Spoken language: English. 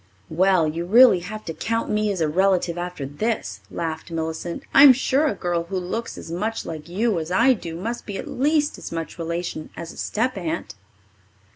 "Well, you'll really have to count me as a relative after this," laughed Millicent. "I'm sure a girl who looks as much like you as I do must be at least as much relation as a stepaunt."